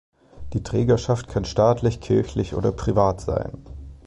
Die Trägerschaft kann staatlich, kirchlich oder privat sein.